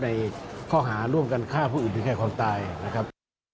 ในข้อหาร่วมกันฆ่าผู้อื่นถึงแก่ความตายนะครับ